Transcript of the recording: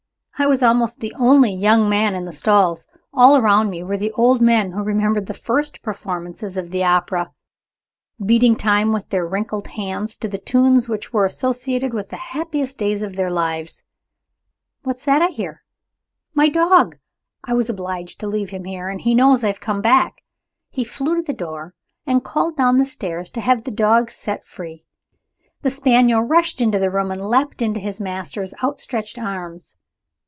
I was almost the only young man in the stalls. All round me were the old men who remembered the first performances of the opera, beating time with their wrinkled hands to the tunes which were associated with the happiest days of their lives. What's that I hear? My dog! I was obliged to leave him here, and he knows I have come back!" He flew to the door and called down the stairs to have the dog set free. The spaniel rushed into the room and leaped into his master's outstretched arms.